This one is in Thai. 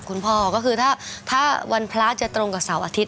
ก็คือถ้าวันพระจะตรงกับเสาร์อาทิตย์